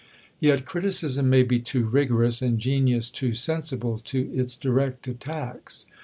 Yet criticism may be too rigorous, and genius too sensible to its direst attacks.